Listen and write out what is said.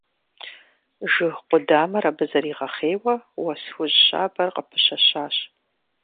Жыг къудамэр абы зэригъэхъейуэ уэс хужь щабэр къыпыщэщащ.